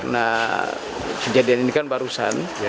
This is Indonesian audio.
nah kejadian ini kan barusan